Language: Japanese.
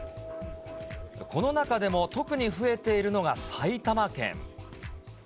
この中でも特に増えているのが埼玉県。